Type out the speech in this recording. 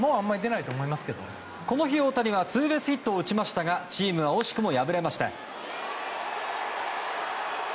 この日、大谷はツーベースヒットを打ちましたがチームは惜しくも敗れました。